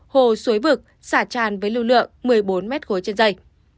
hồ suối vực xả tràn với lưu lượng một mươi bốn m ba trên dây